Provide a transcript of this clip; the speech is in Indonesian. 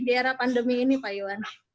di era pandemi ini pak iwan